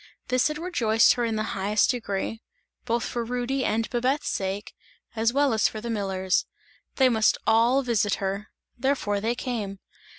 This had rejoiced her in the highest degree, both for Rudy and Babette's sake, as well as for the miller's; they must all visit her therefore they came.